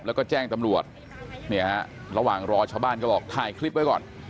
แล้วก็แจ้งตำรวจเนี่ยฮะระหว่างรอชาวบ้านก็บอกถ่ายคลิปไว้ก่อน